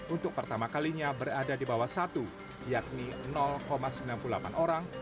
untuk pertama kalinya berada di bawah satu yakni sembilan puluh delapan orang